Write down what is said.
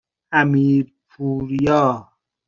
امیرپوریا